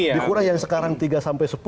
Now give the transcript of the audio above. dikurah yang sekarang tiga sampai sepuluh